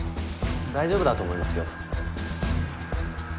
大丈夫だと思いますよ。